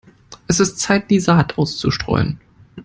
Es ist Zeit, die Saat auszustreuen.